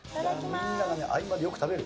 みんな合間でよく食べる。